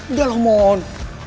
udah lah mon